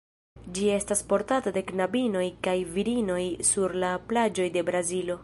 Ĝi ofte estas portata de knabinoj kaj virinoj sur la plaĝoj de Brazilo.